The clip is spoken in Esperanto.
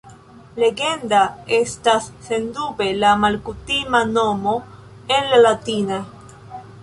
Legenda estas sendube la malkutima nomo en la latina.